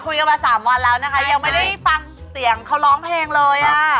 คุยกันมาสามวันแล้วนะคะยังไม่ได้ฟังเสียงเขาร้องเพลงเลยอ่ะ